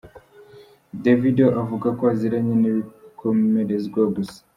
Davido avuga ko aziranyi n’ibikomerezwa gusa.